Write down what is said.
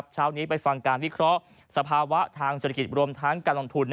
เช้านี้ไปฟังการวิเคราะห์สภาวะทางเศรษฐกิจรวมทั้งการลงทุน